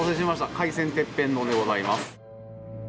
海鮮てっぺん丼でございます。